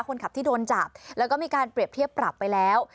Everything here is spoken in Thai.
คนขับที่โดนจับแล้วก็มีการเปรียบเทียบปรับไปแล้ว